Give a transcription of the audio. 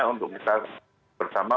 untuk kita bersama